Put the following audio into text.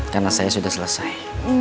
karena saya sudah selesai